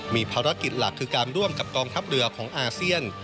มีภารกิจหลักคือการร่วมกับกองทัพเรือของอาเซียน